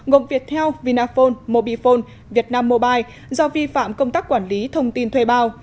gồm viettel vinaphone mobifone vietnam mobile do vi phạm công tác quản lý thông tin thuê bao